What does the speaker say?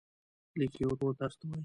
لیک یې ورور ته استوي.